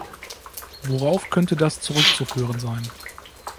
Worauf könnte das zurückzuführen sein?